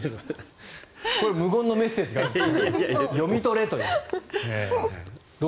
これは無言のメッセージ読み取れという。